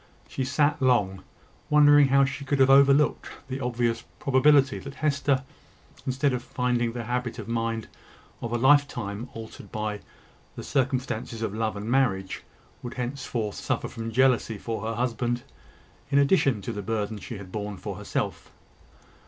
She sat long, wondering how she could have overlooked the obvious probability that Hester, instead of finding the habit of mind of a lifetime altered by the circumstances of love and marriage, would henceforth suffer from jealousy for her husband in addition to the burden she had borne for herself.